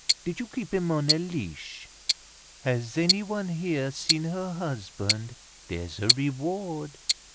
Did you keep him on a leash? Has anyone here seen her husband? There's a reward."